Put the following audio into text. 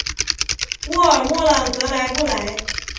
沃尔默朗格莱布莱。